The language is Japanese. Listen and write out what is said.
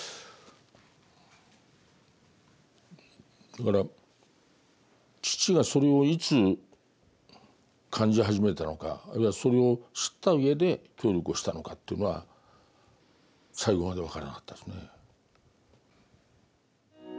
だから父がそれをいつ感じ始めたのかあるいはそれを知ったうえで協力をしたのかというのは最後まで分からなかったですね。